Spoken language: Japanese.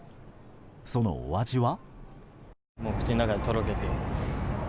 そのお味は？